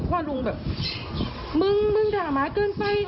ว่าลุงแบบมึงมึงด่าหมาเกินไป